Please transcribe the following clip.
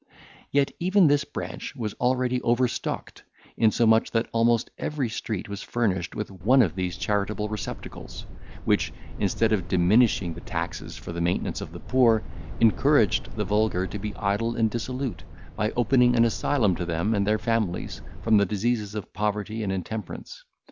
Yet even this branch was already overstocked, insomuch that almost every street was furnished with one of these charitable receptacles, which, instead of diminishing the taxes for the maintenance of the poor, encouraged the vulgar to be idle and dissolute, by opening an asylum to them and their families, from the diseases of poverty and intemperance.